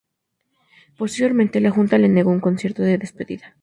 Posteriormente, la Junta le negó un concierto de despedida.